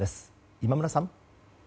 今村さん。